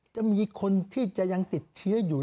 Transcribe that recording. จะมีคนที่จะยังติดเชื้ออยู่